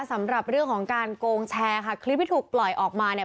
สำหรับเรื่องของการโกงแชร์ค่ะคลิปที่ถูกปล่อยออกมาเนี่ย